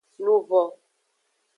Luvo.